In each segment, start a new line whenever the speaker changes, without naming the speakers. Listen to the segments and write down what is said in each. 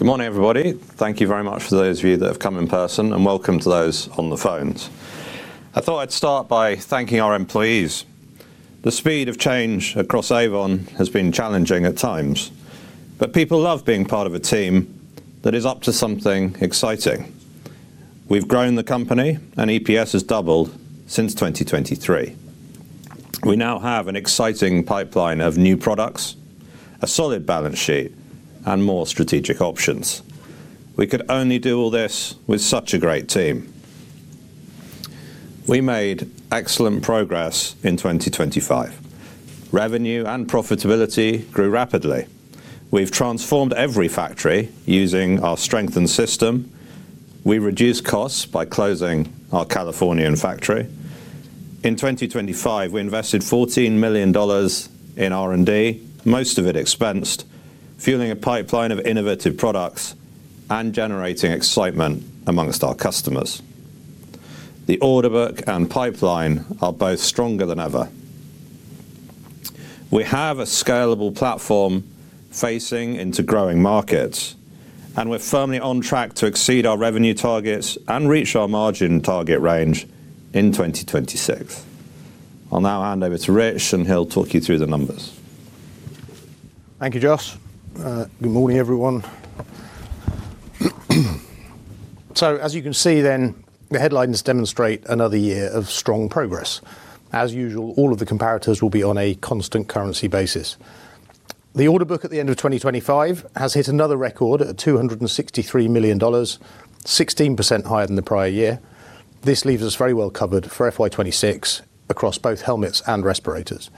Good morning, everybody. Thank you very much for those of you that have come in person, and welcome to those on the phones. I thought I'd start by thanking our employees. The speed of change across Avon has been challenging at times, but people love being part of a team that is up to something exciting. We've grown the company, and EPS has doubled since 2023. We now have an exciting pipeline of new products, a solid balance sheet, and more strategic options. We could only do all this with such a great team. We made excellent progress in 2025. Revenue and profitability grew rapidly. We've transformed every factory using our strengthened system. We reduced costs by closing our California factory. In 2025, we invested $14 million in R&D, most of it expensed, fueling a pipeline of innovative products and generating excitement amongst our customers. The order book and pipeline are both stronger than ever. We have a scalable platform facing into growing markets, and we're firmly on track to exceed our revenue targets and reach our margin target range in 2026. On that hand, over to Rich, and he'll talk you through the numbers.
Thank you, Jos. Good morning, everyone. As you can see, then the headlines demonstrate another year of strong progress. As usual, all of the comparators will be on a constant currency basis. The order book at the end of 2025 has hit another record at $263 million, 16% higher than the prior year. This leaves us very well covered for FY 2026 across both helmets and respirators.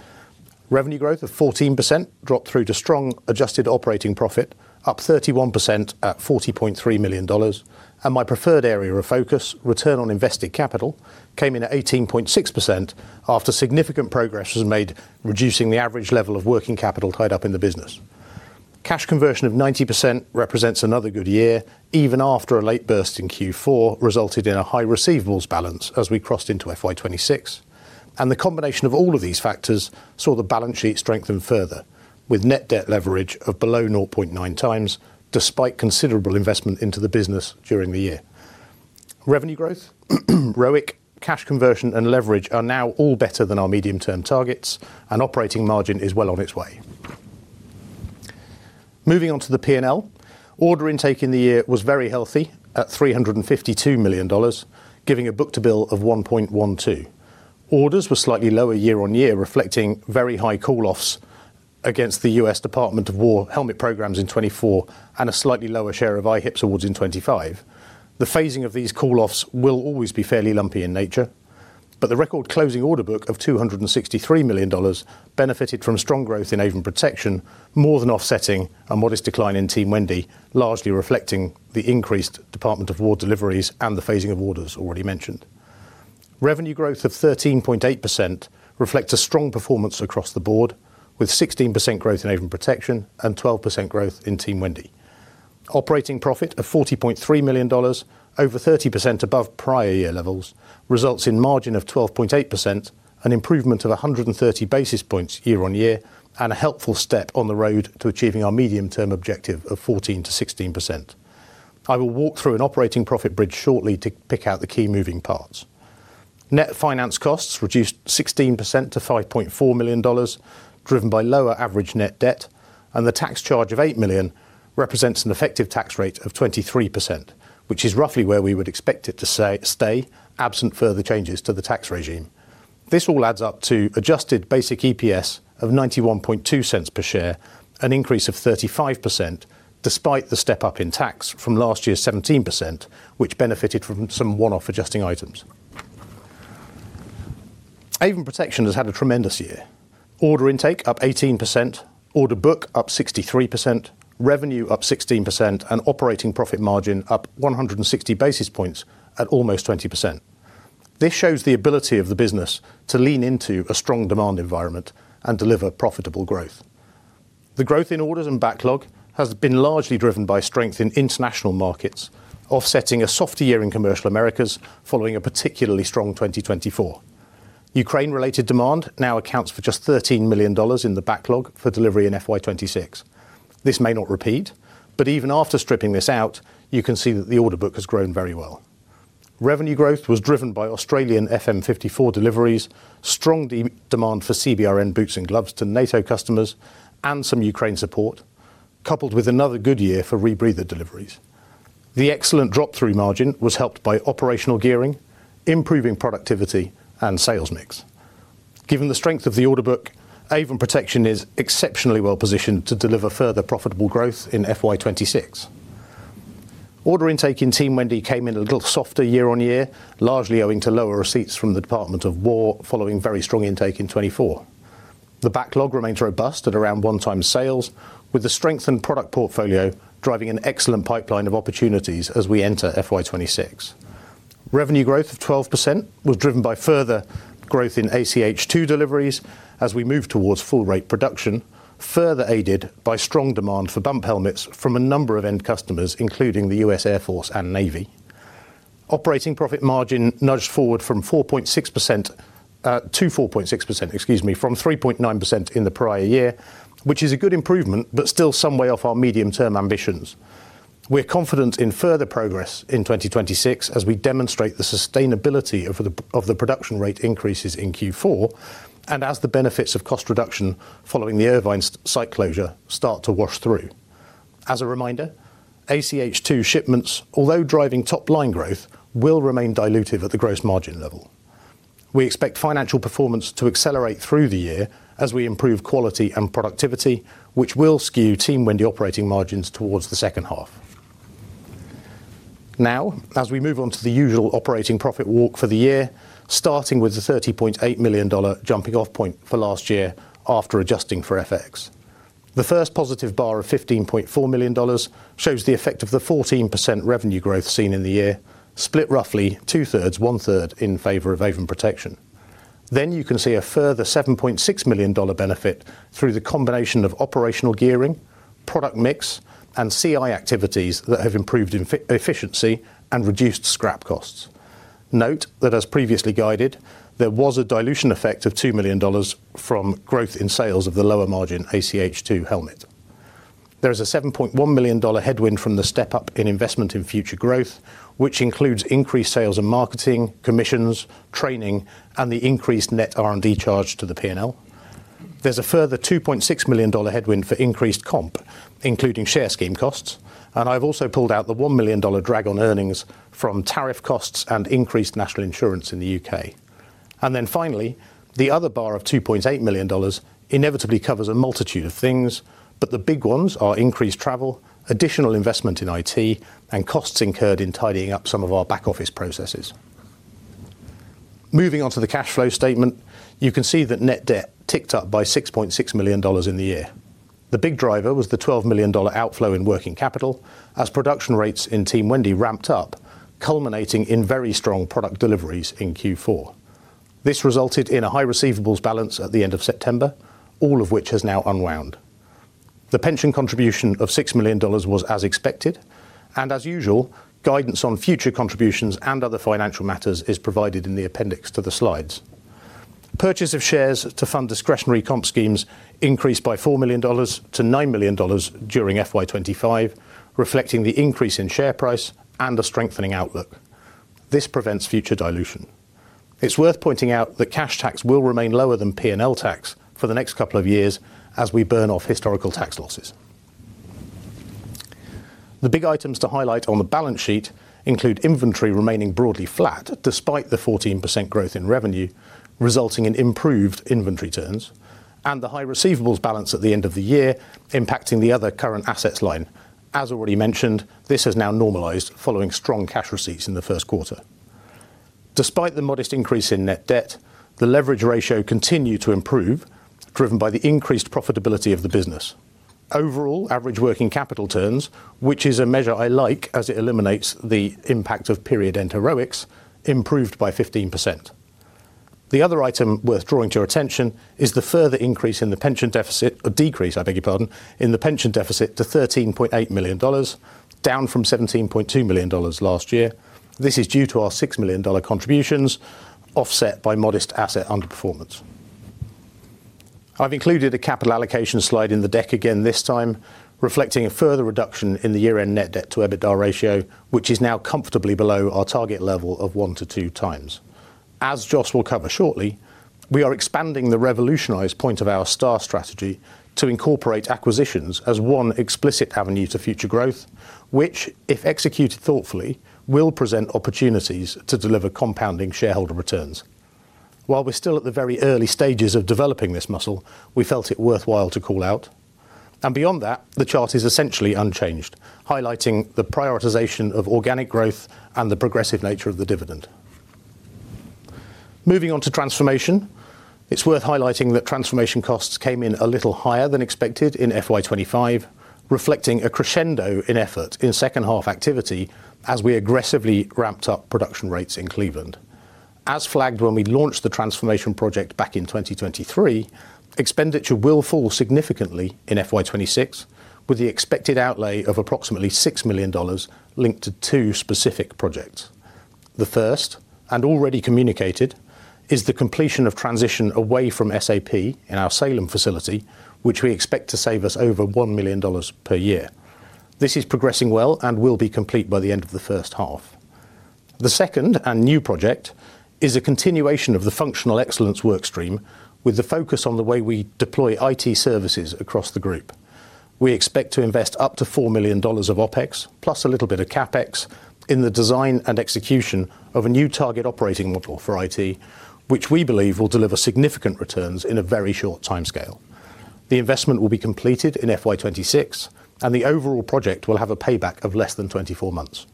Revenue growth of 14% dropped through to strong adjusted operating profit, up 31% at $40.3 million. My preferred area of focus, return on invested capital, came in at 18.6% after significant progress was made, reducing the average level of working capital tied up in the business. Cash conversion of 90% represents another good year, even after a late burst in Q4 resulted in a high receivables balance as we crossed into FY 2026. The combination of all of these factors saw the balance sheet strengthen further, with net debt leverage of below 0.9x, despite considerable investment into the business during the year. Revenue growth, ROIC, cash conversion, and leverage are now all better than our medium-term targets, and operating margin is well on its way. Moving on to the P&L, order intake in the year was very healthy at $352 million, giving a book to bill of 1.12. Orders were slightly lower year on year, reflecting very high call-offs against the U.S. Department of War helmet programs in 2024 and a slightly lower share of IHIPS awards in 2025. The phasing of these call-offs will always be fairly lumpy in nature, but the record closing order book of $263 million benefited from strong growth in Avon Protection, more than offsetting a modest decline in Team Wendy, largely reflecting the increased Department of War deliveries and the phasing of orders already mentioned. Revenue growth of 13.8% reflects a strong performance across the board, with 16% growth in Avon Protection and 12% growth in Team Wendy. Operating profit of $40.3 million, over 30% above prior year levels, results in margin of 12.8%, an improvement of 130 basis points year on year, and a helpful step on the road to achieving our medium-term objective of 14%-16%. I will walk through an operating profit bridge shortly to pick out the key moving parts. Net finance costs reduced 16% to $5.4 million, driven by lower average net debt, and the tax charge of $8 million represents an effective tax rate of 23%, which is roughly where we would expect it to stay absent further changes to the tax regime. This all adds up to adjusted basic EPS of $0.91 per share, an increase of 35% despite the step up in tax from last year's 17%, which benefited from some one-off adjusting items. Avon Protection has had a tremendous year. Order intake up 18%, order book up 63%, revenue up 16%, and operating profit margin up 160 basis points at almost 20%. This shows the ability of the business to lean into a strong demand environment and deliver profitable growth. The growth in orders and backlog has been largely driven by strength in international markets, offsetting a softer year in commercial Americas following a particularly strong 2024. Ukraine-related demand now accounts for just $13 million in the backlog for delivery in FY 2026. This may not repeat, but even after stripping this out, you can see that the order book has grown very well. Revenue growth was driven by Australian FM54 deliveries, strong demand for CBRN boots and gloves to NATO customers, and some Ukraine support, coupled with another good year for rebreather deliveries. The excellent drop-through margin was helped by operational gearing, improving productivity and sales mix. Given the strength of the order book, Avon Protection is exceptionally well positioned to deliver further profitable growth in FY 2026. Order intake in Team Wendy came in a little softer year-on-year, largely owing to lower receipts from the Department of War following very strong intake in 2024. The backlog remains robust at around one-time sales, with the strengthened product portfolio driving an excellent pipeline of opportunities as we enter FY 2026. Revenue growth of 12% was driven by further growth in ACH-2 deliveries as we move towards full-rate production, further aided by strong demand for bump helmets from a number of end customers, including the U.S. Air Force and U.S. Navy. Operating profit margin nudged forward from 3.9% in the prior year to 4.6%, which is a good improvement, but still some way off our medium-term ambitions. We're confident in further progress in 2026 as we demonstrate the sustainability of the production rate increases in Q4 and as the benefits of cost reduction following the Irvine site closure start to wash through. As a reminder, ACH-2 shipments, although driving top-line growth, will remain dilutive at the gross margin level. We expect financial performance to accelerate through the year as we improve quality and productivity, which will skew Team Wendy operating margins towards the second half. Now, as we move on to the usual operating profit walk for the year, starting with the $30.8 million jumping-off point for last year after adjusting for FX. The first positive bar of $15.4 million shows the effect of the 14% revenue growth seen in the year, split roughly two-thirds, one-third in favor of Avon Protection. You can see a further $7.6 million benefit through the combination of operational gearing, product mix, and CI activities that have improved efficiency and reduced scrap costs. Note that, as previously guided, there was a dilution effect of $2 million from growth in sales of the lower-margin ACH-2 helmet. There is a $7.1 million headwind from the step-up in investment in future growth, which includes increased sales and marketing, commissions, training, and the increased net R&D charge to the P&L. There's a further $2.6 million headwind for increased comp, including share scheme costs, and I've also pulled out the $1 million drag on earnings from tariff costs and increased national insurance in the U.K. Finally, the other bar of $2.8 million inevitably covers a multitude of things, but the big ones are increased travel, additional investment in IT, and costs incurred in tidying up some of our back-office processes. Moving on to the cash flow statement, you can see that net debt ticked up by $6.6 million in the year. The big driver was the $12 million outflow in working capital as production rates in Team Wendy ramped up, culminating in very strong product deliveries in Q4. This resulted in a high receivables balance at the end of September, all of which has now unwound. The pension contribution of $6 million was as expected, and as usual, guidance on future contributions and other financial matters is provided in the appendix to the slides. Purchase of shares to fund discretionary comp schemes increased by $4 million-$9 million during FY 2025, reflecting the increase in share price and a strengthening outlook. This prevents future dilution. It's worth pointing out that cash tax will remain lower than P&L tax for the next couple of years as we burn off historical tax losses. The big items to highlight on the balance sheet include inventory remaining broadly flat despite the 14% growth in revenue, resulting in improved inventory turns, and the high receivables balance at the end of the year impacting the other current assets line. As already mentioned, this has now normalized following strong cash receipts in the first quarter. Despite the modest increase in net debt, the leverage ratio continued to improve, driven by the increased profitability of the business. Overall, average working capital turns, which is a measure I like as it eliminates the impact of period end heroics, improved by 15%. The other item worth drawing to your attention is the further increase in the pension deficit, or decrease, I beg your pardon, in the pension deficit to $13.8 million, down from $17.2 million last year. This is due to our $6 million contributions offset by modest asset underperformance. I've included a capital allocation slide in the deck again this time, reflecting a further reduction in the year-end net debt to EBITDA ratio, which is now comfortably below our target level of one to two times. As Jos will cover shortly, we are expanding the revolutionize point of our STAR strategy to incorporate acquisitions as one explicit avenue to future growth, which, if executed thoughtfully, will present opportunities to deliver compounding shareholder returns. While we're still at the very early stages of developing this muscle, we felt it worthwhile to call out. Beyond that, the chart is essentially unchanged, highlighting the prioritization of organic growth and the progressive nature of the dividend. Moving on to transformation, it's worth highlighting that transformation costs came in a little higher than expected in FY 2025, reflecting a crescendo in effort in second-half activity as we aggressively ramped up production rates in Cleveland. As flagged when we launched the transformation project back in 2023, expenditure will fall significantly in FY 2026, with the expected outlay of approximately $6 million linked to two specific projects. The first, and already communicated, is the completion of transition away from SAP in our Salem facility, which we expect to save us over $1 million per year. This is progressing well and will be complete by the end of the first half. The second and new project is a continuation of the functional excellence workstream with the focus on the way we deploy IT services across the group. We expect to invest up to $4 million of OpEx, plus a little bit of CapEx, in the design and execution of a new target operating model for IT, which we believe will deliver significant returns in a very short timescale. The investment will be completed in FY 2026, and the overall project will have a payback of less than 24 months.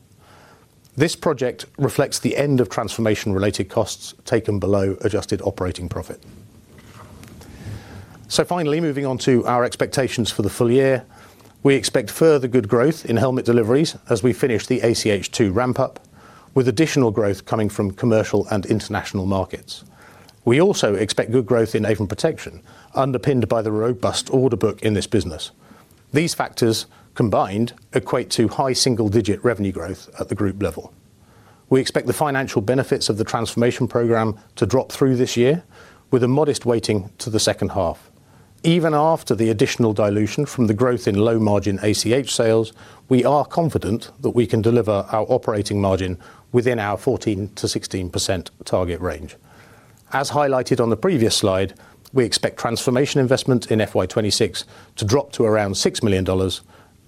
This project reflects the end of transformation-related costs taken below adjusted operating profit. Finally, moving on to our expectations for the full year, we expect further good growth in helmet deliveries as we finish the ACH-2 ramp-up, with additional growth coming from commercial and international markets. We also expect good growth in Avon Protection, underpinned by the robust order book in this business. These factors combined equate to high single-digit revenue growth at the group level. We expect the financial benefits of the transformation program to drop through this year, with a modest weighting to the second half. Even after the additional dilution from the growth in low-margin ACH sales, we are confident that we can deliver our operating margin within our 14%-16% target range. As highlighted on the previous slide, we expect transformation investment in FY 2026 to drop to around $6 million,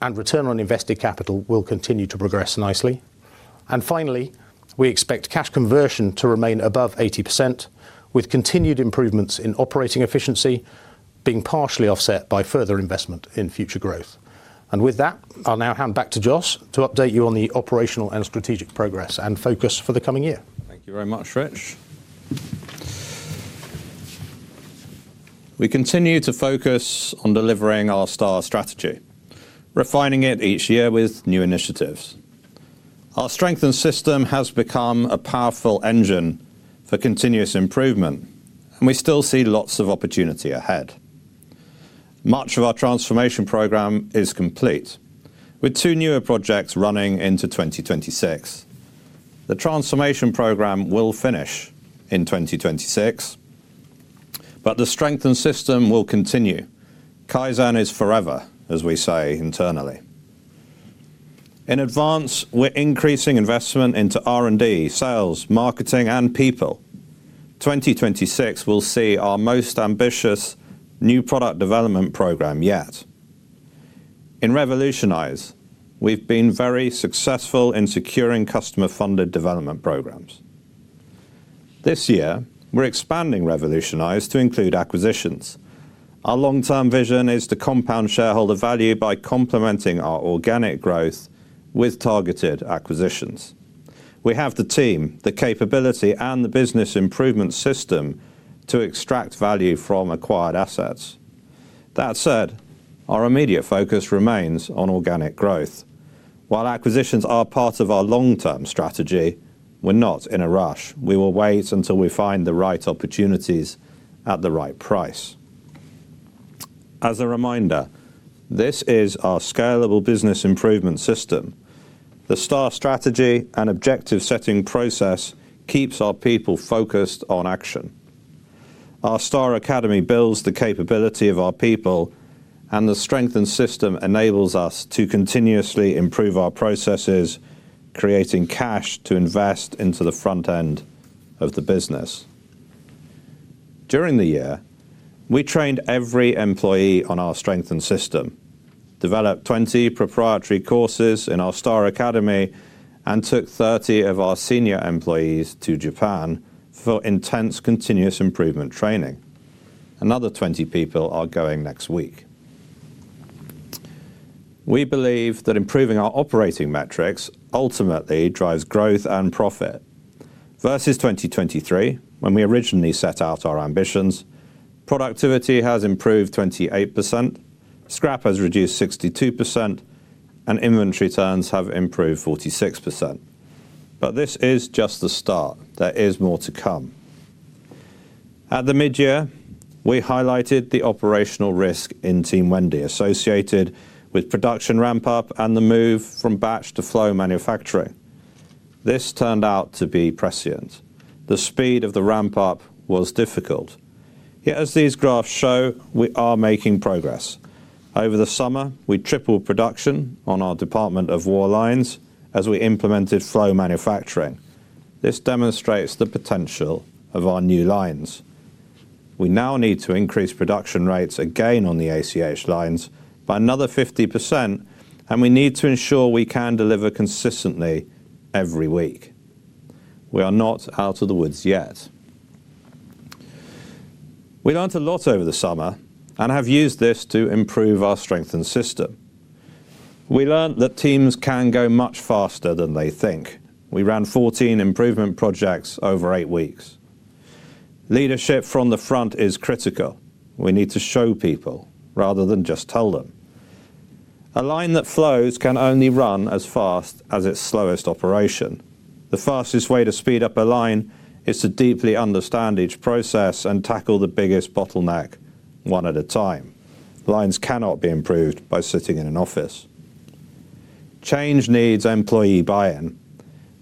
and return on invested capital will continue to progress nicely. Finally, we expect cash conversion to remain above 80%, with continued improvements in operating efficiency being partially offset by further investment in future growth. With that, I'll now hand back to Jos to update you on the operational and strategic progress and focus for the coming year.
Thank you very much, Rich. We continue to focus on delivering our STAR strategy, refining it each year with new initiatives. Our strengthened system has become a powerful engine for continuous improvement, and we still see lots of opportunity ahead. Much of our transformation program is complete, with two newer projects running into 2026. The transformation program will finish in 2026, but the strengthened system will continue. Kaizen is forever, as we say internally. In advance, we're increasing investment into R&D, sales, marketing, and people. 2026 will see our most ambitious new product development program yet. In Revolutionize, we've been very successful in securing customer-funded development programs. This year, we're expanding Revolutionize to include acquisitions. Our long-term vision is to compound shareholder value by complementing our organic growth with targeted acquisitions. We have the team, the capability, and the business improvement system to extract value from acquired assets. That said, our immediate focus remains on organic growth. While acquisitions are part of our long-term strategy, we're not in a rush. We will wait until we find the right opportunities at the right price. As a reminder, this is our scalable business improvement system. The STAR strategy and objective-setting process keeps our people focused on action. Our STAR Academy builds the capability of our people, and the strengthened system enables us to continuously improve our processes, creating cash to invest into the front end of the business. During the year, we trained every employee on our strengthened system, developed 20 proprietary courses in our STAR Academy, and took 30 of our senior employees to Japan for intense continuous improvement training. Another 20 people are going next week. We believe that improving our operating metrics ultimately drives growth and profit. Versus 2023, when we originally set out our ambitions, productivity has improved 28%, scrap has reduced 62%, and inventory turns have improved 46%. This is just the start. There is more to come. At the midyear, we highlighted the operational risk in Team Wendy associated with production ramp-up and the move from batch to flow manufacturing. This turned out to be prescient. The speed of the ramp-up was difficult. Yet, as these graphs show, we are making progress. Over the summer, we tripled production on our Department of War lines as we implemented flow manufacturing. This demonstrates the potential of our new lines. We now need to increase production rates again on the ACH lines by another 50%, and we need to ensure we can deliver consistently every week. We are not out of the woods yet. We learned a lot over the summer and have used this to improve our strengthened system. We learned that teams can go much faster than they think. We ran 14 improvement projects over eight weeks. Leadership from the front is critical. We need to show people rather than just tell them. A line that flows can only run as fast as its slowest operation. The fastest way to speed up a line is to deeply understand each process and tackle the biggest bottleneck one at a time. Lines cannot be improved by sitting in an office. Change needs employee buy-in.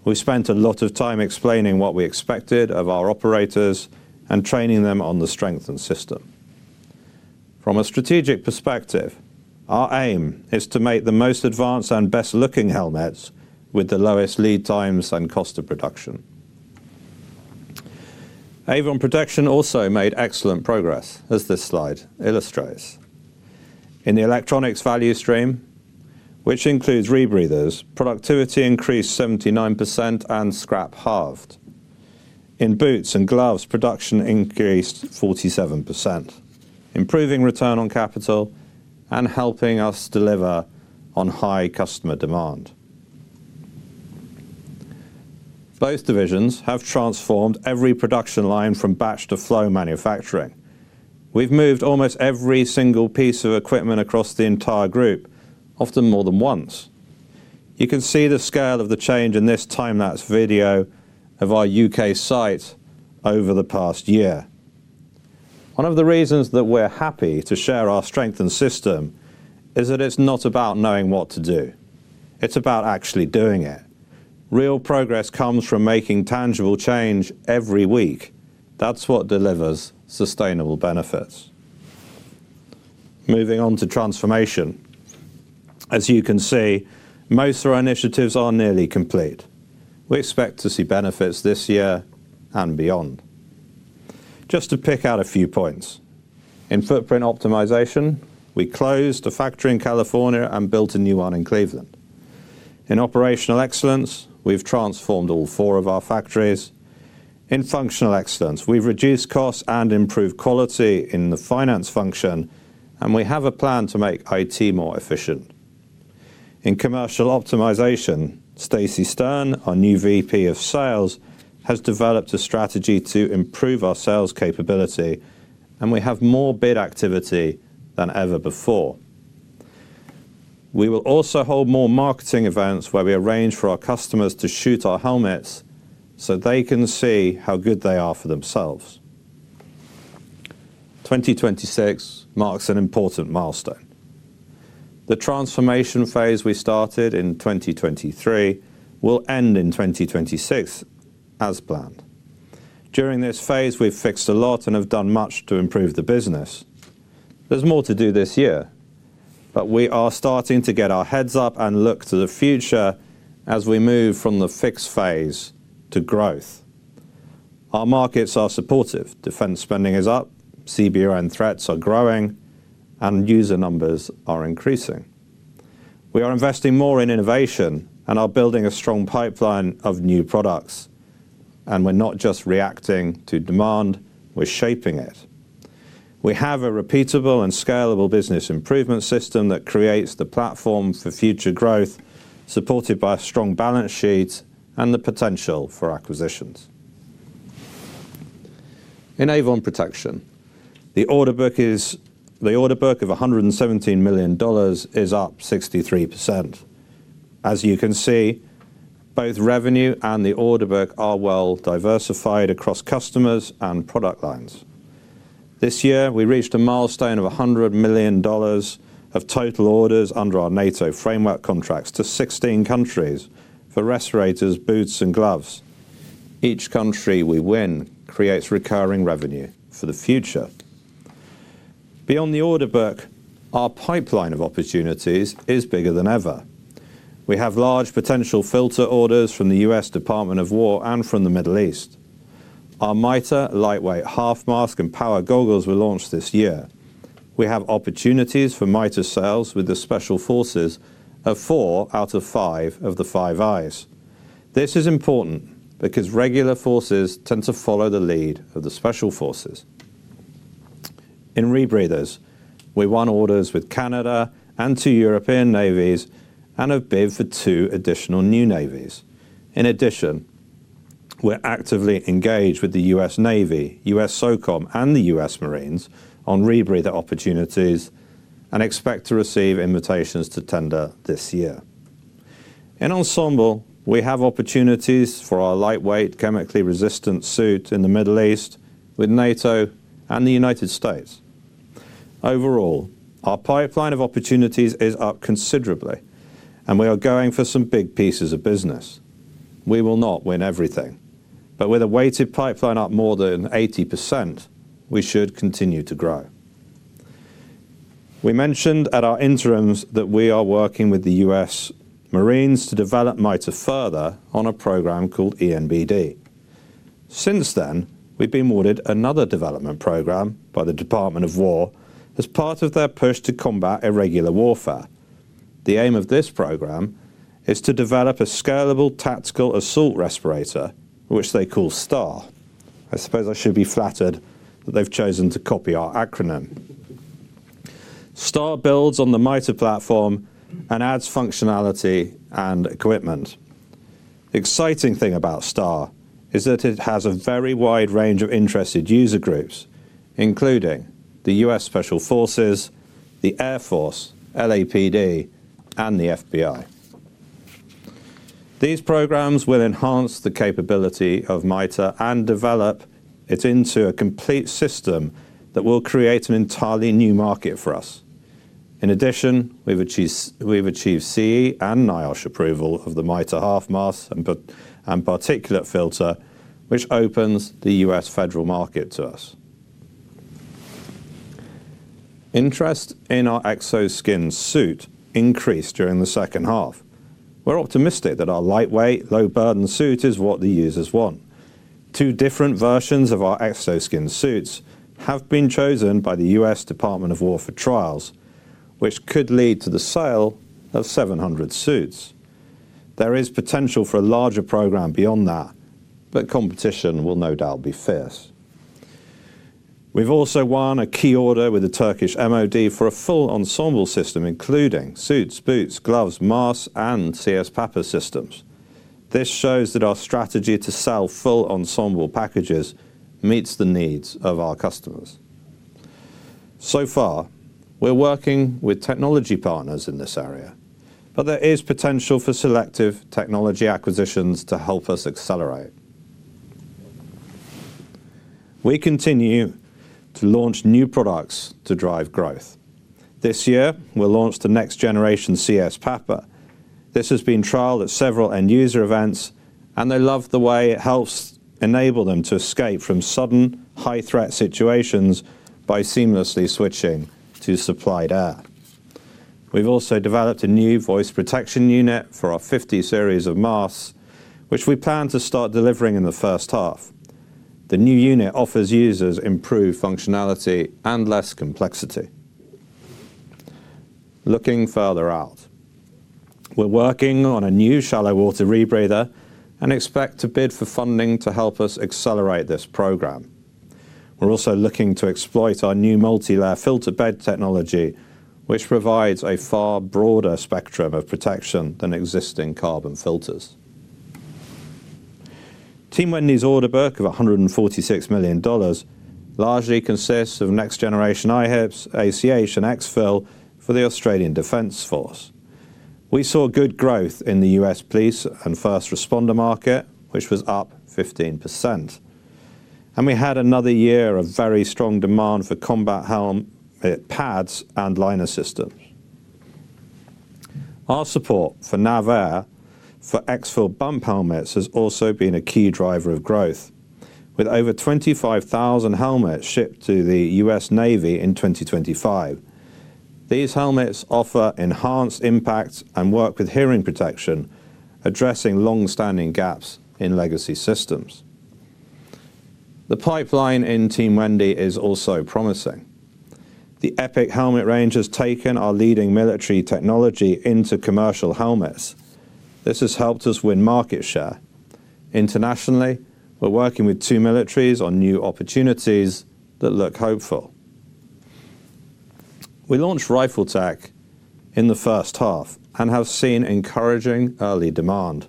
We spent a lot of time explaining what we expected of our operators and training them on the strengthened system. From a strategic perspective, our aim is to make the most advanced and best-looking helmets with the lowest lead times and cost of production. Avon Protection also made excellent progress, as this slide illustrates. In the electronics value stream, which includes rebreathers, productivity increased 79% and scrap halved. In boots and gloves, production increased 47%, improving return on capital and helping us deliver on high customer demand. Both divisions have transformed every production line from batch to flow manufacturing. We've moved almost every single piece of equipment across the entire group, often more than once. You can see the scale of the change in this time-lapse video of our U.K. site over the past year. One of the reasons that we're happy to share our strengthened system is that it's not about knowing what to do. It's about actually doing it. Real progress comes from making tangible change every week. That's what delivers sustainable benefits. Moving on to transformation. As you can see, most of our initiatives are nearly complete. We expect to see benefits this year and beyond. Just to pick out a few points. In footprint optimization, we closed a factory in California and built a new one in Cleveland. In operational excellence, we've transformed all four of our factories. In functional excellence, we've reduced costs and improved quality in the finance function, and we have a plan to make IT more efficient. In commercial optimization, Stacy Stern, our new VP of Sales, has developed a strategy to improve our sales capability, and we have more bid activity than ever before. We will also hold more marketing events where we arrange for our customers to shoot our helmets so they can see how good they are for themselves. 2026 marks an important milestone. The transformation phase we started in 2023 will end in 2026 as planned. During this phase, we've fixed a lot and have done much to improve the business. There's more to do this year, but we are starting to get our heads up and look to the future as we move from the fixed phase to growth. Our markets are supportive. Defense spending is up, CBRN threats are growing, and user numbers are increasing. We are investing more in innovation and are building a strong pipeline of new products. We're not just reacting to demand, we're shaping it. We have a repeatable and scalable business improvement system that creates the platform for future growth, supported by a strong balance sheet and the potential for acquisitions. In Avon Protection, the order book is the order book of $117 million is up 63%. As you can see, both revenue and the order book are well diversified across customers and product lines. This year, we reached a milestone of $100 million of total orders under our NATO framework contracts to 16 countries for respirators, boots, and gloves. Each country we win creates recurring revenue for the future. Beyond the order book, our pipeline of opportunities is bigger than ever. We have large potential filter orders from the U.S. Department of War and from the Middle East. Our MITA lightweight half-mask and power goggles were launched this year. We have opportunities for MITA sales with the special forces of four out of five of the Five Eyes. This is important because regular forces tend to follow the lead of the special forces. In rebreathers, we won orders with Canada and two European navies and have bid for two additional new navies. In addition, we're actively engaged with the U.S. Navy, U.S. SOCOM, and the U.S. Marines on rebreather opportunities and expect to receive invitations to tender this year. In ensemble, we have opportunities for our lightweight chemically resistant suit in the Middle East with NATO and the United States. Overall, our pipeline of opportunities is up considerably, and we are going for some big pieces of business. We will not win everything, but with a weighted pipeline up more than 80%, we should continue to grow. We mentioned at our interims that we are working with the U.S. Marines to develop MITA further on a program called ENBD. Since then, we've been awarded another development program by the Department of War as part of their push to combat irregular warfare. The aim of this program is to develop a scalable tactical assault respirator, which they call STAR. I suppose I should be flattered that they've chosen to copy our acronym. STAR builds on the MITA platform and adds functionality and equipment. The exciting thing about STAR is that it has a very wide range of interested user groups, including the U.S. Special Forces, the Air Force, LAPD, and the FBI. These programs will enhance the capability of MITA and develop it into a complete system that will create an entirely new market for us. In addition, we've achieved CE and NIOSH approval of the MITA half-mask and particulate filter, which opens the U.S. federal market to us. Interest in our EXOSKIN suit increased during the second half. We're optimistic that our lightweight, low-burden suit is what the users want. Two different versions of our EXOSKIN suits have been chosen by the U.S. Department of War for trials, which could lead to the sale of 700 suits. There is potential for a larger program beyond that, but competition will no doubt be fierce. We've also won a key order with the Turkish MOD for a full ensemble system, including suits, boots, gloves, masks, and CS PAPA systems. This shows that our strategy to sell full ensemble packages meets the needs of our customers. So far, we're working with technology partners in this area, but there is potential for selective technology acquisitions to help us accelerate. We continue to launch new products to drive growth. This year, we launched the next generation CS PAPA. This has been trialed at several end-user events, and they love the way it helps enable them to escape from sudden high-threat situations by seamlessly switching to supplied air. We've also developed a new voice protection unit for our 50 Series Masks, which we plan to start delivering in the first half. The new unit offers users improved functionality and less complexity. Looking further out, we're working on a new shallow water rebreather and expect to bid for funding to help us accelerate this program. We're also looking to exploit our new multi-layer filter bed technology, which provides a far broader spectrum of protection than existing carbon filters. Team Wendy's order book of $146 million largely consists of next-generation IHIPS, ACH, and EXFIL for the Australian Defence Force. We saw good growth in the U.S. police and first responder market, which was up 15%. We had another year of very strong demand for combat helmet pads and liner systems. Our support for NAVAIR for EXFIL bump helmets has also been a key driver of growth, with over 25,000 helmets shipped to the U.S. Navy in 2025. These helmets offer enhanced impact and work with hearing protection, addressing long-standing gaps in legacy systems. The pipeline in Team Wendy is also promising. The Epic helmet range has taken our leading military technology into commercial helmets. This has helped us win market share. Internationally, we're working with two militaries on new opportunities that look hopeful. We launched RIFLETECH in the first half and have seen encouraging early demand.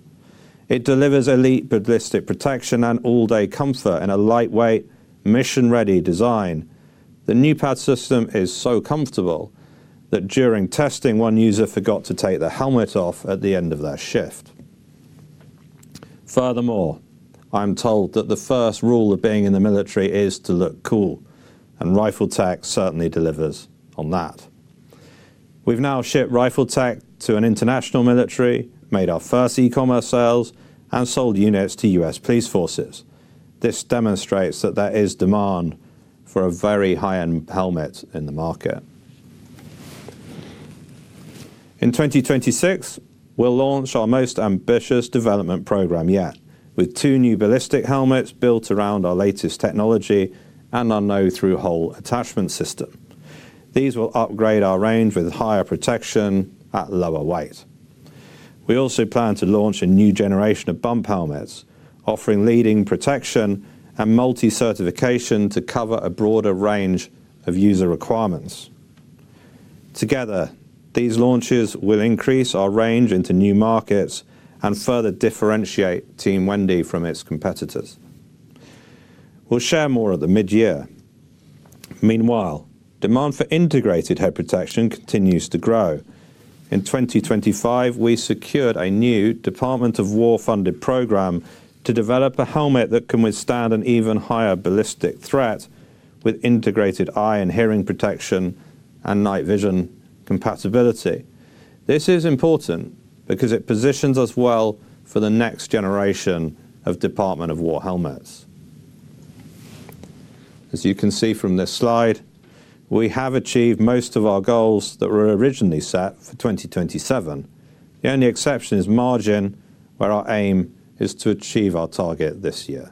It delivers elite ballistic protection and all-day comfort in a lightweight, mission-ready design. The new pad system is so comfortable that during testing, one user forgot to take the helmet off at the end of their shift. Furthermore, I'm told that the first rule of being in the military is to look cool, and RIFLETECH certainly delivers on that. We've now shipped RIFLETECH to an international military, made our first e-commerce sales, and sold units to U.S. police forces. This demonstrates that there is demand for a very high-end helmet in the market. In 2026, we'll launch our most ambitious development program yet, with two new ballistic helmets built around our latest technology and our no-through-hole attachment system. These will upgrade our range with higher protection at lower weight. We also plan to launch a new generation of bump helmets, offering leading protection and multi-certification to cover a broader range of user requirements. Together, these launches will increase our range into new markets and further differentiate Team Wendy from its competitors. We'll share more at the mid-year. Meanwhile, demand for integrated head protection continues to grow. In 2025, we secured a new Department of War-funded program to develop a helmet that can withstand an even higher ballistic threat with integrated eye and hearing protection and night vision compatibility. This is important because it positions us well for the next generation of Department of War helmets. As you can see from this slide, we have achieved most of our goals that were originally set for 2027. The only exception is margin, where our aim is to achieve our target this year.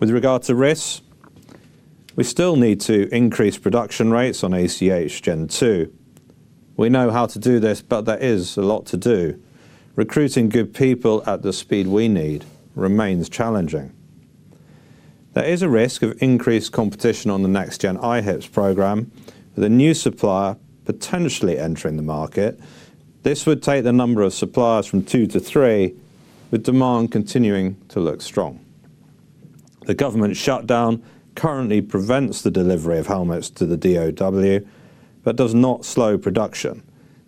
With regard to risks, we still need to increase production rates on ACH-2. We know how to do this, but there is a lot to do. Recruiting good people at the speed we need remains challenging. There is a risk of increased competition on the next-gen IHPS program, with a new supplier potentially entering the market. This would take the number of suppliers from two to three, with demand continuing to look strong. The government shutdown currently prevents the delivery of helmets to the DoW, but does not slow production.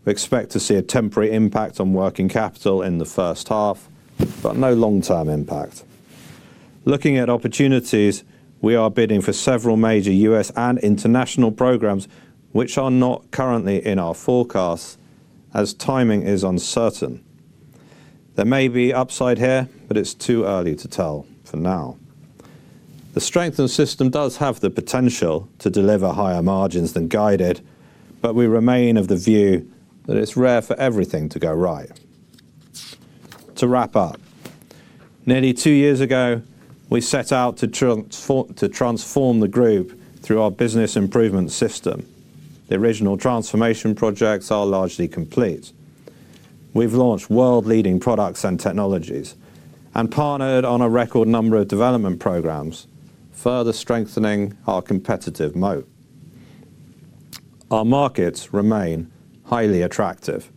We expect to see a temporary impact on working capital in the first half, but no long-term impact. Looking at opportunities, we are bidding for several major U.S. and international programs, which are not currently in our forecasts as timing is uncertain. There may be upside here, but it's too early to tell for now. The strengthened system does have the potential to deliver higher margins than guided, but we remain of the view that it's rare for everything to go right. To wrap up, nearly two years ago, we set out to transform the group through our business improvement system. The original transformation projects are largely complete. We've launched world-leading products and technologies and partnered on a record number of development programs, further strengthening our competitive moat. Our markets remain highly attractive,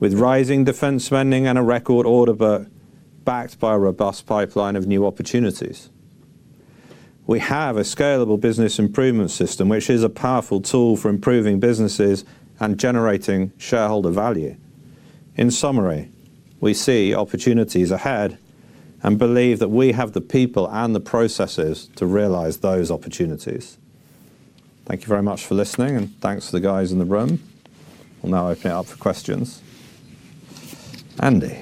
with rising defense spending and a record order book backed by a robust pipeline of new opportunities. We have a scalable business improvement system, which is a powerful tool for improving businesses and generating shareholder value. In summary, we see opportunities ahead and believe that we have the people and the processes to realize those opportunities. Thank you very much for listening, and thanks to the guys in the room. We'll now open it up for questions. Andy.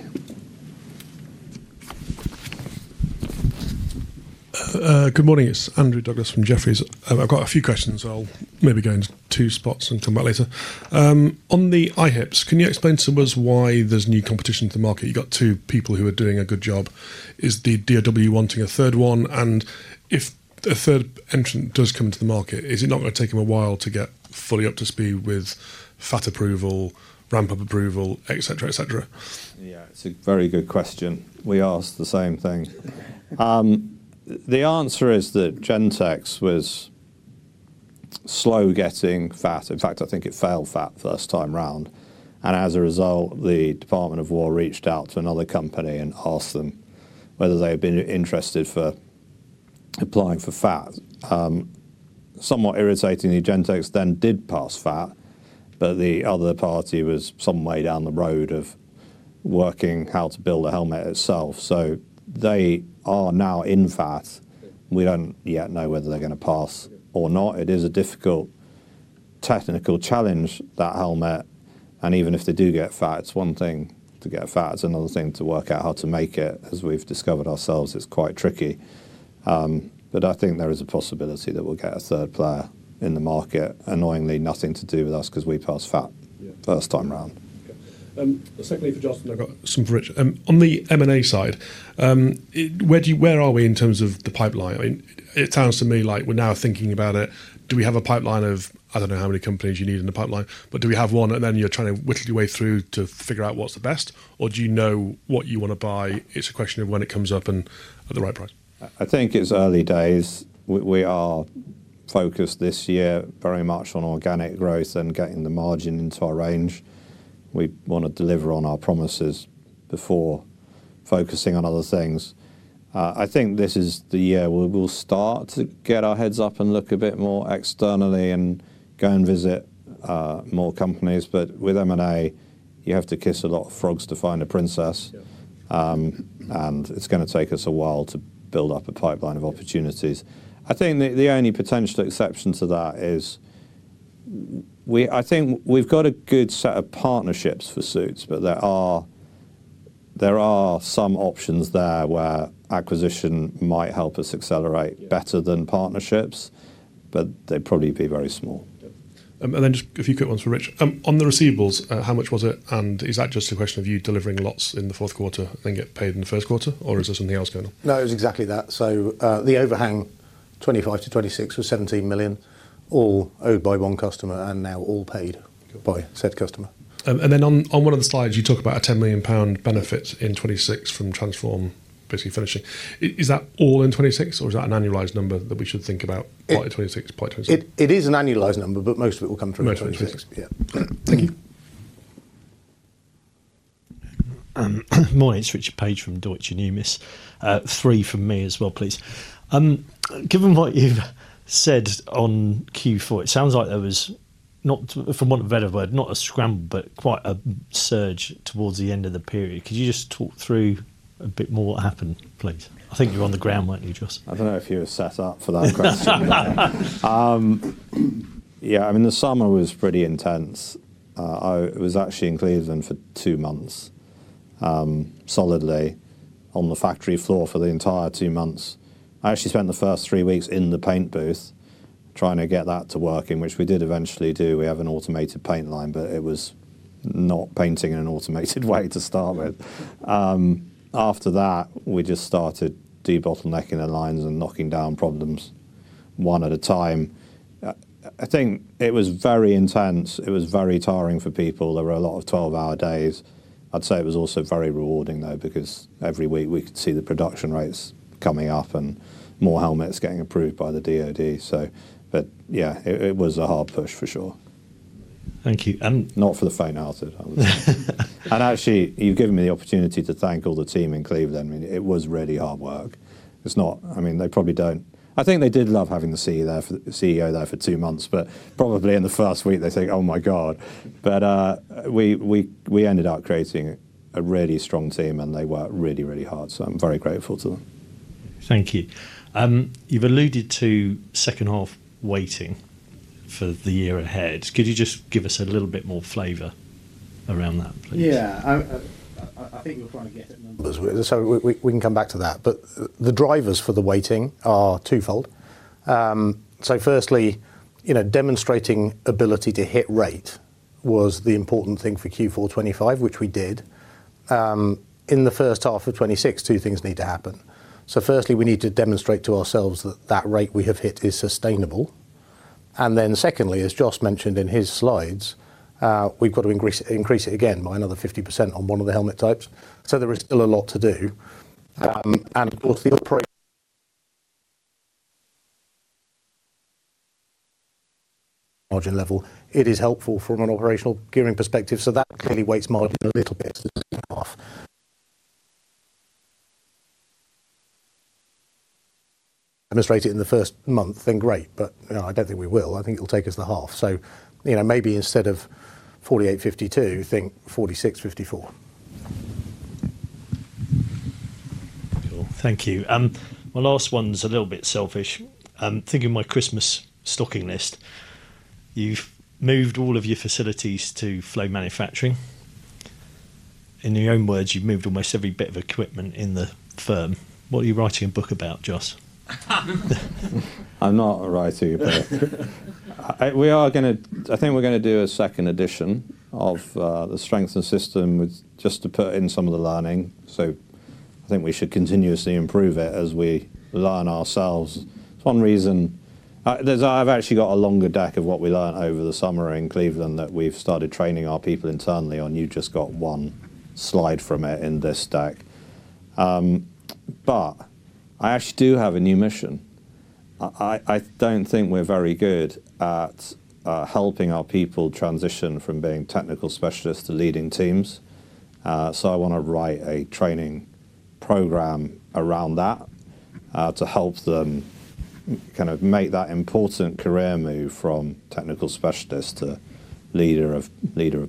Good morning. It's Andrew Douglas from Jefferies. I've got a few questions. I'll maybe go into two spots and come back later. On the IHPS, can you explain to us why there's new competition to the market? You've got two people who are doing a good job. Is the DoW wanting a third one? If a third entrant does come into the market, is it not going to take them a while to get fully up to speed with FAT approval, ramp-up approval, etc?
Yeah, it's a very good question. We asked the same thing. The answer is that Gentex was slow getting FAT. In fact, I think it failed FAT first time round. As a result, the DoW reached out to another company and asked them whether they had been interested in applying for FAT. Somewhat irritating, the Gentex then did pass FAT, but the other party was some way down the road of working out how to build a helmet itself. They are now in FAT. We do not yet know whether they are going to pass or not. It is a difficult technical challenge, that helmet. Even if they do get FAT, it is one thing to get FAT. It is another thing to work out how to make it, as we have discovered ourselves. It is quite tricky. I think there is a possibility that we will get a third player in the market. Annoyingly, nothing to do with us because we passed FAT first time round.
Secondly, for Justin, I have got some bridge. On the M&A side, where are we in terms of the pipeline? It sounds to me like we are now thinking about it. Do we have a pipeline of, I do not know how many companies you need in the pipeline, but do we have one? Then you are trying to whittle your way through to figure out what is the best? Or do you know what you want to buy? It is a question of when it comes up and at the right price.
I think it is early days. We are focused this year very much on organic growth and getting the margin into our range. We want to deliver on our promises before focusing on other things. I think this is the year we will start to get our heads up and look a bit more externally and go and visit more companies. With M&A, you have to kiss a lot of frogs to find a princess. It is going to take us a while to build up a pipeline of opportunities. I think the only potential exception to that is, I think we've got a good set of partnerships for suits, but there are some options there where acquisition might help us accelerate better than partnerships, but they'd probably be very small.
Just a few quick ones for Rich. On the receivables, how much was it? Is that just a question of you delivering lots in the fourth quarter and then get paid in the first quarter? Or is there something else going on?
No, it was exactly that. The overhang, 2025-2026, was $17 million, all owed by one customer and now all paid by said customer.
On one of the slides, you talk about a 10 million pound benefit in 2026 from Transform basically finishing. Is that all in 2026, or is that an annualized number that we should think about partly 2026, partly 2027?
It is an annualized number, but most of it will come through in 2026.
Thank you.
Morning, it's Richard Page from Deutsche Numis. Three from me as well, please. Given what you've said on Q4, it sounds like there was, from what Vedder said, not a scramble, but quite a surge towards the end of the period. Could you just talk through a bit more what happened, please? I think you're on the ground, weren't you, Justin?
I don't know if you were set up for that question. Yeah, I mean, the summer was pretty intense. I was actually in Cleveland for two months, solidly, on the factory floor for the entire two months. I actually spent the first three weeks in the paint booth trying to get that to work, which we did eventually do. We have an automated paint line, but it was not painting in an automated way to start with. After that, we just started de-bottlenecking the lines and knocking down problems one at a time. I think it was very intense. It was very tiring for people. There were a lot of 12-hour days. I'd say it was also very rewarding, though, because every week we could see the production rates coming up and more helmets getting approved by the DOD. Yeah, it was a hard push for sure.
Thank you.
Not for the fan out of it.
Actually, you've given me the opportunity to thank all the team in Cleveland. It was really hard work. I mean, they probably don't. I think they did love having the CEO there for two months, but probably in the first week, they think, "Oh my God." We ended up creating a really strong team, and they worked really, really hard. I am very grateful to them.
Thank you. You have alluded to second-half weighting for the year ahead. Could you just give us a little bit more flavor around that, please?
Yeah, I think we will try and get it. We can come back to that. The drivers for the weighting are twofold. Firstly, demonstrating ability to hit rate was the important thing for Q4 2025, which we did. In the first half of 2026, two things need to happen. Firstly, we need to demonstrate to ourselves that that rate we have hit is sustainable. As Jos mentioned in his slides, we have to increase it again by another 50% on one of the helmet types. There is still a lot to do. Of course, the operational margin level is helpful from an operational gearing perspective. That clearly weights margin a little bit to the second half. Demonstrate it in the first month, then great. I do not think we will. I think it will take us the half. Maybe instead of 48-52, think 46-54.
Thank you. My last one is a little bit selfish. Think of my Christmas stocking list. You have moved all of your facilities to flow manufacturing. In your own words, you have moved almost every bit of equipment in the firm. What are you writing a book about, Jos?
I am not writing a book. I think we're going to do a second edition of the strengthened system just to put in some of the learning. I think we should continuously improve it as we learn ourselves. It's one reason. I've actually got a longer deck of what we learned over the summer in Cleveland that we've started training our people internally on. You've just got one slide from it in this deck. I actually do have a new mission. I don't think we're very good at helping our people transition from being technical specialists to leading teams. I want to write a training program around that to help them kind of make that important career move from technical specialist to leader of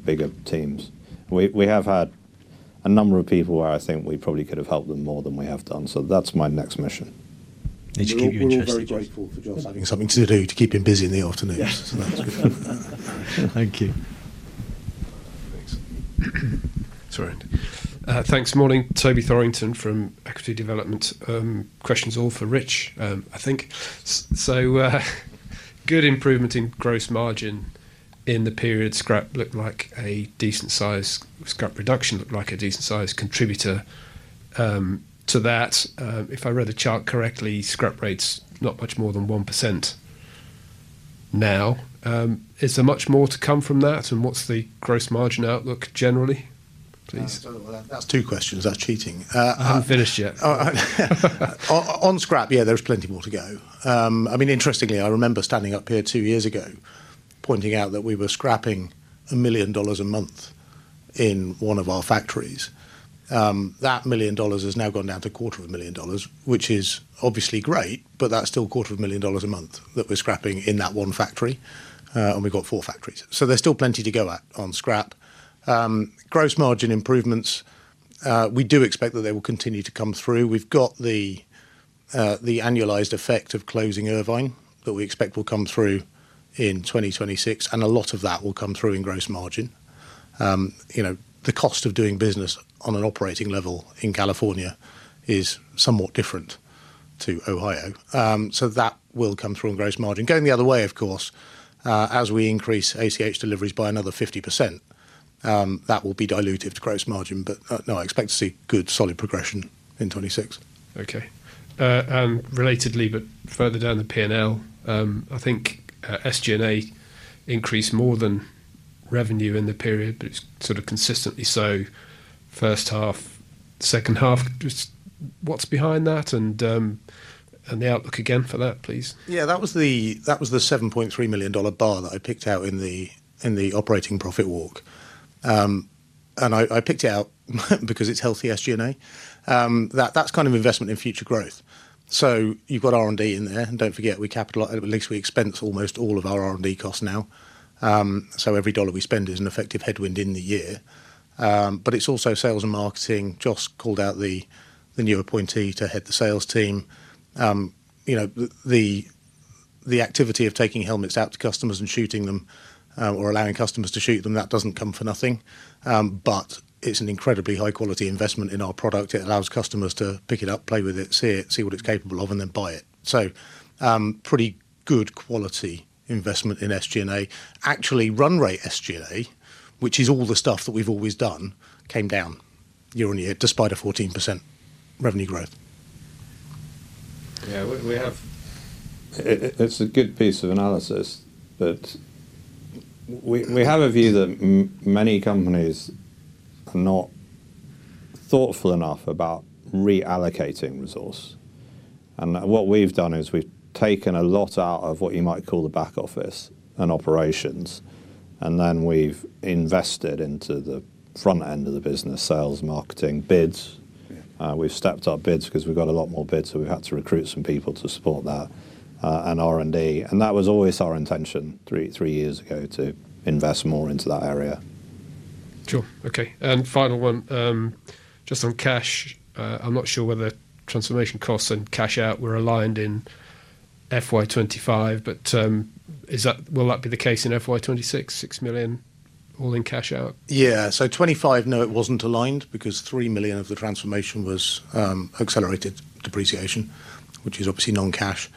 bigger teams. We have had a number of people where I think we probably could have helped them more than we have done. That's my next mission.
It's very interesting. I'm very grateful for Jos having something to do to keep him busy in the afternoon.
Thank you.
Sorry. Thanks, morning. Toby Thorrington from Equity Development. Questions all for Rich, I think. So good improvement in gross margin in the period. Scrap looked like a decent size. Scrap reduction looked like a decent size contributor to that. If I read the chart correctly, scrap rate's not much more than 1% now. Is there much more to come from that? What's the gross margin outlook generally, please?
That's two questions. That's cheating. I haven't finished yet. On scrap, yeah, there's plenty more to go. I mean, interestingly, I remember standing up here two years ago pointing out that we were scrapping a million dollars a month in one of our factories. That $1 million has now gone down to $250,000, which is obviously great, but that's still $250,000 a month that we're scrapping in that one factory. And we've got four factories. So there's still plenty to go at on scrap. Gross margin improvements, we do expect that they will continue to come through. We've got the annualized effect of closing Irvine that we expect will come through in 2026. And a lot of that will come through in gross margin. The cost of doing business on an operating level in California is somewhat different to Ohio. So that will come through in gross margin. Going the other way, of course, as we increase ACH deliveries by another 50%, that will be dilutive to gross margin. But no, I expect to see good solid progression in 2026.
Okay. Relatedly, but further down the P&L, I think SG&A increased more than revenue in the period, but it's sort of consistently so. First half, second half, just what's behind that? The outlook again for that, please.
Yeah, that was the $7.3 million bar that I picked out in the operating profit walk. I picked it out because it's healthy SG&A. That's kind of investment in future growth. You've got R&D in there. Don't forget, at least we expense almost all of our R&D costs now. Every dollar we spend is an effective headwind in the year. It's also sales and marketing. Jos called out the new appointee to head the sales team. The activity of taking helmets out to customers and shooting them or allowing customers to shoot them, that doesn't come for nothing. It's an incredibly high-quality investment in our product. It allows customers to pick it up, play with it, see what it's capable of, and then buy it. Pretty good quality investment in SG&A. Actually, run rate SG&A, which is all the stuff that we've always done, came down year on year despite a 14% revenue growth.
Yeah, it's a good piece of analysis. We have a view that many companies are not thoughtful enough about reallocating resource. What we've done is we've taken a lot out of what you might call the back office and operations. Then we've invested into the front end of the business, sales, marketing, bids. We've stepped up bids because we've got a lot more bids. We've had to recruit some people to support that and R&D. That was always our intention three years ago to invest more into that area
Okay. Final one, just on cash. I'm not sure whether transformation costs and cash out were aligned in FY 2025, but will that be the case in FY 2026? $6 million, all in cash out?
Yeah. FY 2025, no, it was not aligned because $3 million of the transformation was accelerated depreciation, which is obviously non-cash.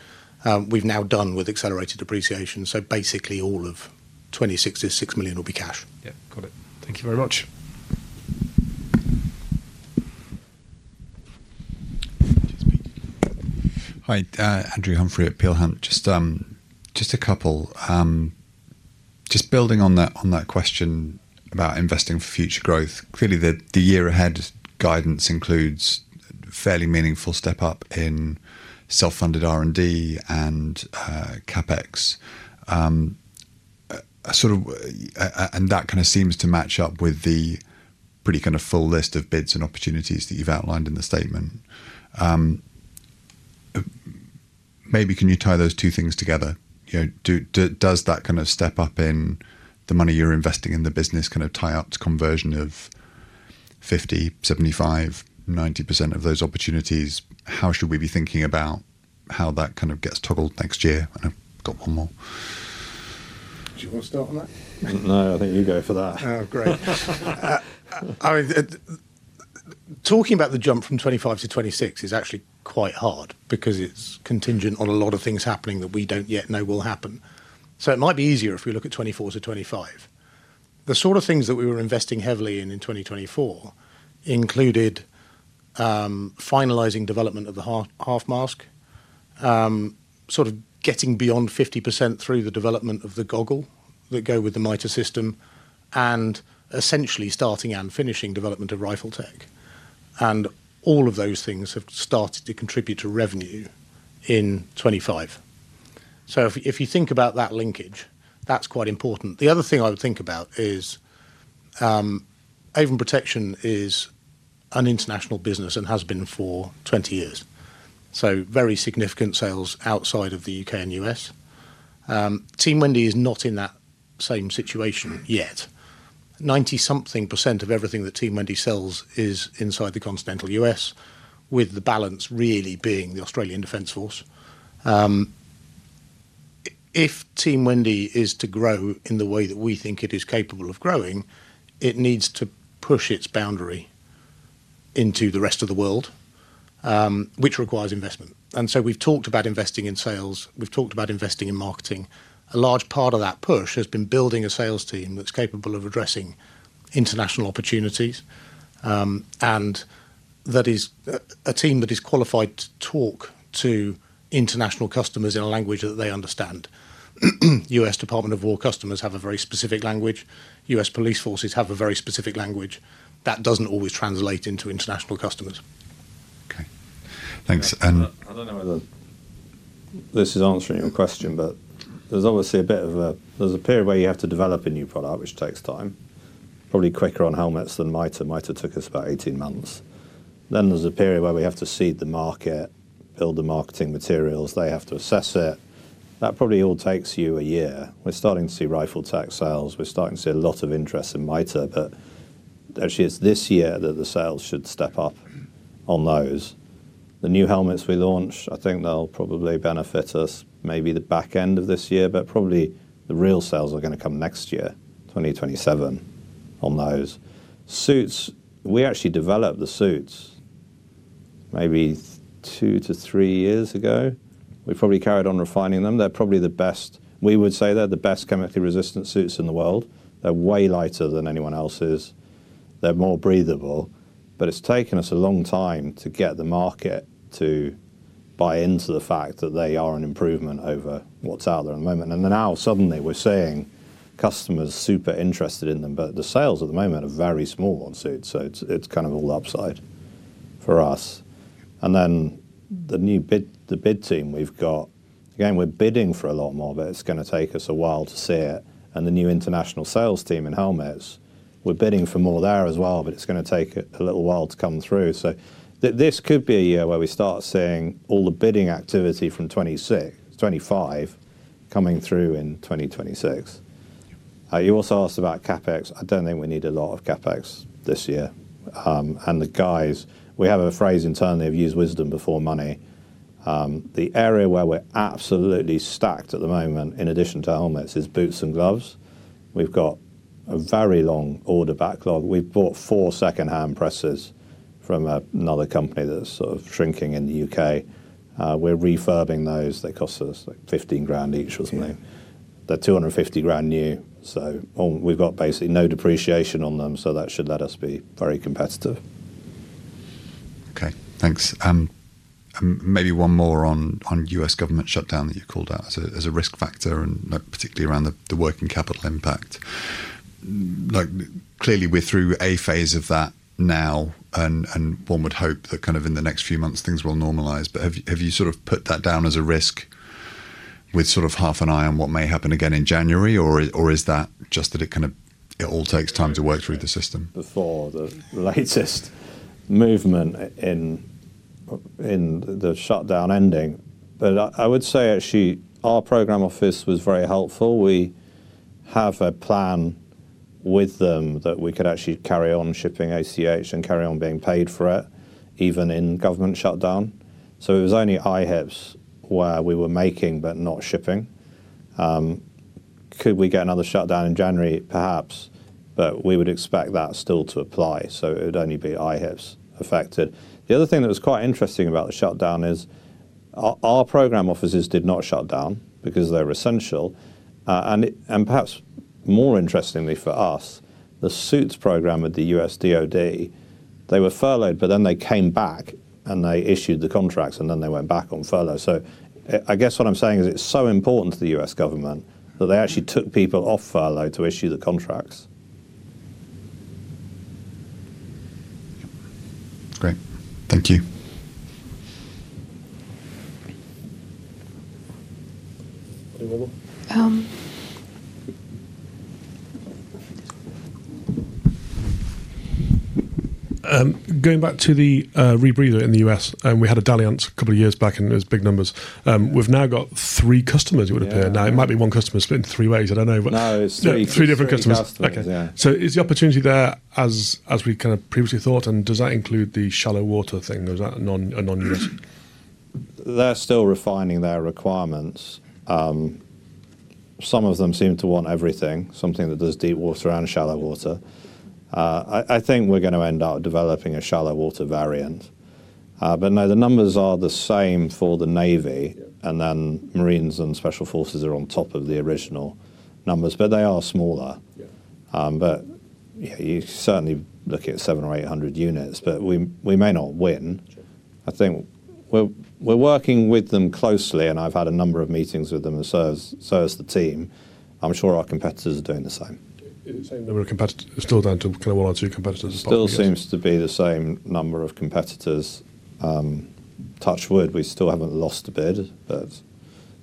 We have now done with accelerated depreciation. Basically, all of FY 2026 is $6 million will be cash.
Yeah. Got it. Thank you very much.
Hi, Andrew Humphrey at Peel Hunt, just a couple. Just building on that question about investing for future growth, clearly the year ahead guidance includes a fairly meaningful step up in self-funded R&D and CapEx. That kind of seems to match up with the pretty kind of full list of bids and opportunities that you have outlined in the statement. Maybe can you tie those two things together? Does that kind of step up in the money you're investing in the business kind of tie up to conversion of 50%, 75%, 90% of those opportunities? How should we be thinking about how that kind of gets toggled next year? I've got one more.
Do you want to start on that?
No, I think you go for that.
Oh, great. Talking about the jump from 2025 to 2026 is actually quite hard because it's contingent on a lot of things happening that we don't yet know will happen. It might be easier if we look at 2024 to 2025. The sort of things that we were investing heavily in in 2024 included finalizing development of the half mask, getting beyond 50% through the development of the goggle that go with the MITA system, and essentially starting and finishing development of RIFLETECH. All of those things have started to contribute to revenue in 2025. If you think about that linkage, that's quite important. The other thing I would think about is Avon Protection is an international business and has been for 20 years. Very significant sales outside of the U.K. and U.S. Team Wendy is not in that same situation yet. Ninety-something percent of everything that Team Wendy sells is inside the continental U.S., with the balance really being the Australian Defence Force. If Team Wendy is to grow in the way that we think it is capable of growing, it needs to push its boundary into the rest of the world, which requires investment. We have talked about investing in sales. We have talked about investing in marketing. A large part of that push has been building a sales team that's capable of addressing international opportunities. That is a team that is qualified to talk to international customers in a language that they understand. U.S. Department of War customers have a very specific language. U.S. Police Forces have a very specific language. That does not always translate into international customers.
Okay. Thanks.
I do not know whether this is answering your question, but there is obviously a bit of a period where you have to develop a new product, which takes time. Probably quicker on helmets than MITA. MITA took us about 18 months. There is a period where we have to seed the market, build the marketing materials. They have to assess it. That probably all takes you a year. We are starting to see RIFLETECH sales. We are starting to see a lot of interest in MITA, but actually, it is this year that the sales should step up on those. The new helmets we launch, I think they'll probably benefit us maybe the back end of this year, but probably the real sales are going to come next year, 2027, on those. Suits, we actually developed the suits maybe two to three years ago. We probably carried on refining them. They're probably the best. We would say they're the best chemically resistant suits in the world. They're way lighter than anyone else's. They're more breathable. It has taken us a long time to get the market to buy into the fact that they are an improvement over what's out there at the moment. Now, suddenly, we're seeing customers super interested in them, but the sales at the moment are very small on suits. It is kind of all upside for us. The bid team, we've got, again, we're bidding for a lot more, but it's going to take us a while to see it. The new international sales team in helmets, we're bidding for more there as well, but it's going to take a little while to come through. This could be a year where we start seeing all the bidding activity from 2025, 2026, coming through in 2026. You also asked about CapEx. I don't think we need a lot of CapEx this year. The guys, we have a phrase internally, "Use wisdom before money." The area where we're absolutely stacked at the moment, in addition to helmets, is boots and gloves. We've got a very long order backlog. We've bought four second-hand presses from another company that's sort of shrinking in the U.K. We're refurbing those. They cost us $15,000 each or something. They're $250,000 new. So we've got basically no depreciation on them. That should let us be very competitive.
Okay. Thanks. Maybe one more on U.S. government shutdown that you called out as a risk factor, and particularly around the working capital impact. Clearly, we're through a phase of that now, and one would hope that kind of in the next few months, things will normalize. Have you sort of put that down as a risk with sort of half an eye on what may happen again in January or is that just that it kind of all takes time to work through the system?
Before the latest movement in the shutdown ending. I would say actually our program office was very helpful. We have a plan with them that we could actually carry on shipping ACH and carry on being paid for it, even in government shutdown. It was only IHPS where we were making but not shipping. Could we get another shutdown in January, perhaps? We would expect that still to apply. It would only be IHPS affected. The other thing that was quite interesting about the shutdown is our program offices did not shut down because they were essential. Perhaps more interestingly for us, the suits program at the U.S. DoD, they were furloughed, but then they came back and they issued the contracts, and then they went back on furlough. I guess what I'm saying is it's so important to the US government that they actually took people off furlough to issue the contracts.
Great. Thank you. Going back to the rebreather in the U.S., we had a dalliance a couple of years back, and it was big numbers. We've now got three customers, it would appear. Now, it might be one customer split in three ways. I don't know. No, it's three different customers. Okay. Is the opportunity there as we kind of previously thought? Does that include the shallow water thing? Is that a non-U.S.?
They're still refining their requirements. Some of them seem to want everything, something that does deep water and shallow water. I think we're going to end up developing a shallow water variant. No, the numbers are the same for the Navy, and then Marines and Special Forces are on top of the original numbers, but they are smaller. You certainly look at 700-800 units, but we may not win. I think we're working with them closely, and I've had a number of meetings with them and so has the team. I'm sure our competitors are doing the same. Is it the same number of competitors? It's still down to kind of one or two competitors? Still seems to be the same number of competitors. Touch wood, we still haven't lost a bid, but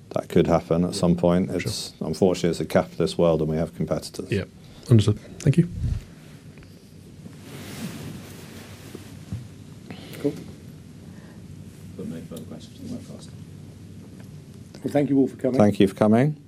that could happen at some point. Unfortunately, it's a capitalist world, and we have competitors. Yeah. Understood. Thank you. Cool. We'll make further questions on that faster. Thank you all for coming.
Thank you for coming. Great.